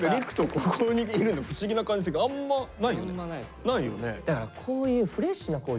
ここにいるの不思議な感じするけどあんまないよね？